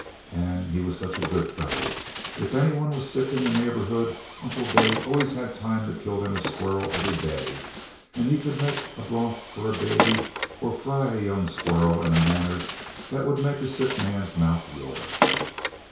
And he was such a good fellow. If any one was sick in the neighborhood, Uncle Dave always had time to kill them a squirrel every day; and he could make a broth for a baby, or fry a young squirrel, in a manner that would make a sick man's mouth water.